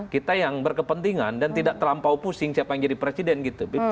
kita yang berkepentingan dan tidak terlampau pusing siapa yang jadi presiden gitu